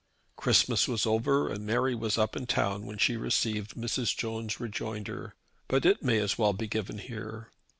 Christmas was over and Mary was up in town when she received Mrs. Jones' rejoinder, but it may as well be given here.